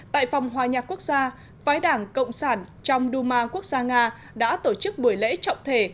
tại phòng hòa nhạc quốc gia phái đảng cộng sản trong duma quốc gia nga đã tổ chức buổi lễ trọng thể